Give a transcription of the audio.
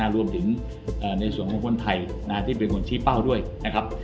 รวมถึงในส่วนของคนไทยที่เป็นคนชี้เป้าด้วยนะครับ